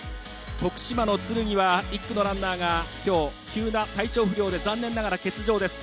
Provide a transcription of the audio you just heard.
徳島のつるぎは１区のランナーが急な体調不良で残念ながら欠場です。